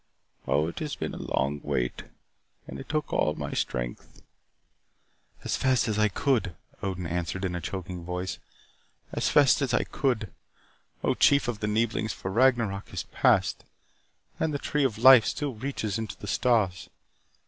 Oh, it has been a long wait and it took all my strength." "As fast as I could," Odin answered in a choking voice. "As fast as I could, O Chief of the Neeblings. For Ragnarok is past, and the tree of life still reaches into the stars.